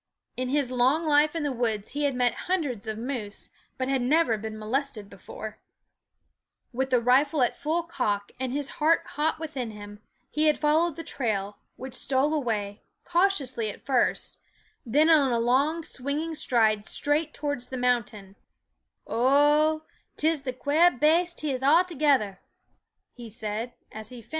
In his long life in the woods he had met hundreds of moose, but had never been molested before. With the rifle at full cock and his heart hot within him, he had followed the trail, which stole away, cautiously at first, then in a long swinging stride straight towards the mountain.